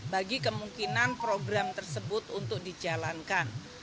bagi kemungkinan program tersebut untuk dijalankan